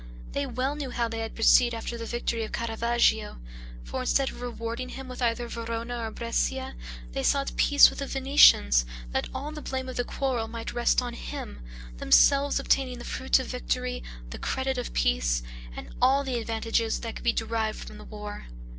They well knew how they had proceeded after the victory of Caravaggio; for, instead of rewarding him with either Verona or Brescia, they sought peace with the Venetians, that all the blame of the quarrel might rest on him, themselves obtaining the fruit of victory, the credit of peace, and all the advantages that could be derived from the war.